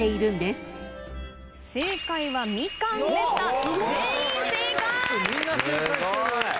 すごい！